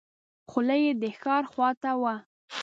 خوله یې د ښار خواته وه.